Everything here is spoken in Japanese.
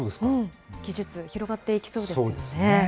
技術、広がっていきそうですよね。